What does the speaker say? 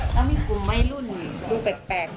ทำไมพี่กูไม่รุ่นพูดแปลก